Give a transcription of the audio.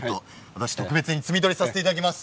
特別に摘み取りをさせていただきます。